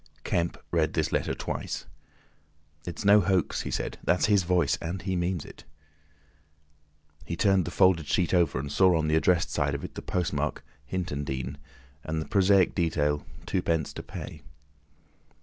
Kemp read this letter twice, "It's no hoax," he said. "That's his voice! And he means it." He turned the folded sheet over and saw on the addressed side of it the postmark Hintondean, and the prosaic detail "2d. to pay."